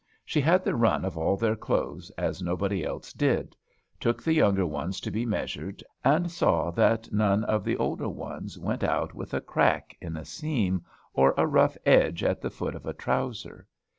She had the run of all their clothes as nobody else did; took the younger ones to be measured; and saw that none of the older ones went out with a crack in a seam, or a rough edge at the foot of a trowser.